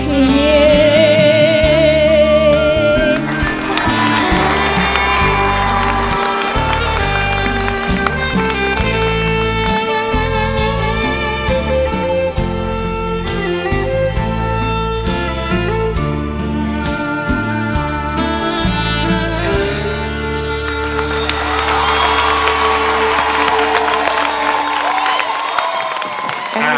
เอ๊ะ